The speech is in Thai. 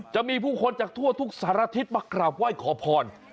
จะมีผู้คนจากทั่วทุกสารทิศมากราบไหว้ขอพร